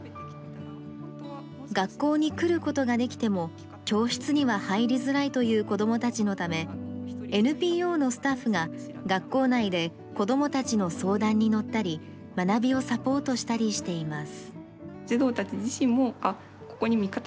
学校に来ることができても、教室には入りづらいという子どもたちのため、ＮＰＯのスタッフが学校内で子どもたちの相談に乗ったり、学びをサポートしたりしています。